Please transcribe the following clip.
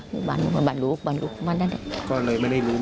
ก็เลยไม่ได้รู้ไม่ได้เห็น